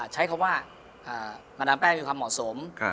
ใช้คำว่ามาดามแป้งมีความเหมาะสม